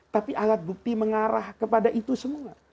tapi alat bukti mengarah kepada itu semua